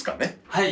はい。